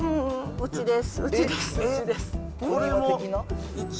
うちです。